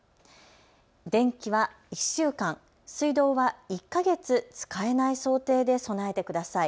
電気は１週間、水道は１か月使えない想定で備えてください。